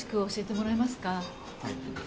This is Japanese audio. はい。